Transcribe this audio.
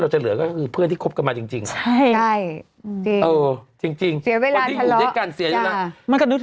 แล้วพี่ไม่คิดกันอีกเลย